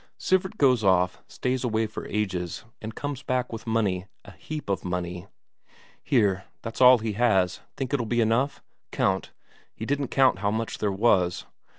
Sivert goes off, stays away for ages, and comes back with money, a heap of money. "Here, that's all he has; think it'll be enough? Count he didn't count how much there was."